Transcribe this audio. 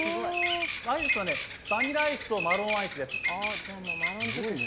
アイスはバニラアイスとマロンアイスです。